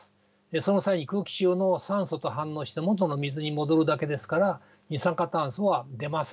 その際に空気中の酸素と反応して元の水に戻るだけですから二酸化炭素は出ません。